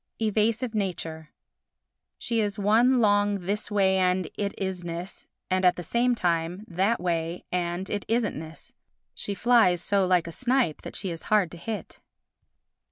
Evasive Nature She is one long This way and it isness and, at the same time, That way and it isn'tness. She flies so like a snipe that she is hard to hit.